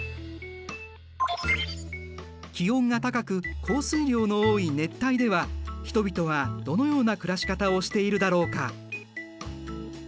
気温が高く降水量の多い熱帯では人々はどのような暮らし方をしているだろうか。